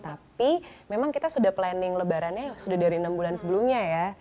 tapi memang kita sudah planning lebarannya sudah dari enam bulan sebelumnya ya